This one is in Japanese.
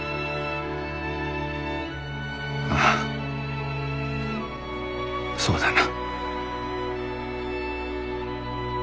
ああそうだな。